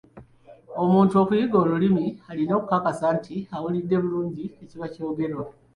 Omuntu okuyiga olulimi, alina okukakasa nti awulidde bulungi ekiba kyogerwa.